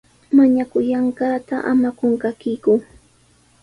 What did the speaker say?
Mañakullanqaata ama qunqakiku.